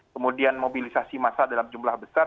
kemudian mobilisasi massa dalam jumlah besar